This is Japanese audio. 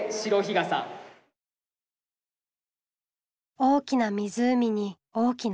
大きな湖に大きな鯉。